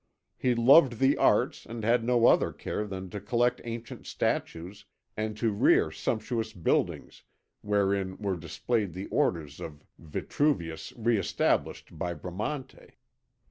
He loved the arts and had no other care than to collect ancient statues and to rear sumptuous buildings wherein were displayed the orders of Vitruvius re established by Bramante.